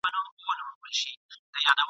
ورته اېل یې هم غوایي او هم پیلان کړل ..